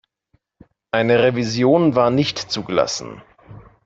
Eine Revision war nicht zugelassen.